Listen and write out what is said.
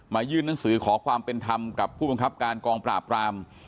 ยื่นหนังสือขอความเป็นธรรมกับผู้บังคับการกองปราบราม